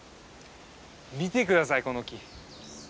見て下さいこの木。